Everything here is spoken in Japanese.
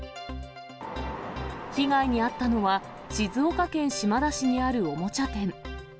被害に遭ったのは、静岡県島田市にあるおもちゃ店。